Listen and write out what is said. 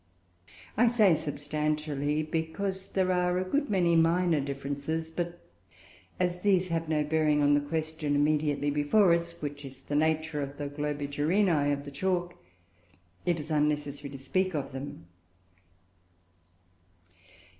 I say substantially, because there are a good many minor differences; but as these have no bearing on the question immediately before us, which is the nature of the Globigerinoe of the chalk, it is unnecessary to speak of them.